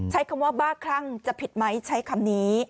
ใช้คำว่าบ้าคลั่งจะผิดไหมใช้คำนี้